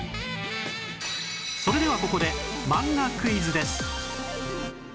それではここで漫画クイズです